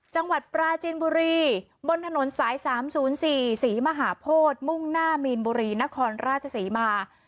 จังหวัดปราจีนบุรีบนถนนสาย๓๐๔ศรีมหาโพธิมุ่งหน้ามีนบุรีนครราชศรีมา